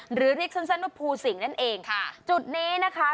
หรือที่สั้นว่าภูสิงนั่นเองจุดนี้นะคะ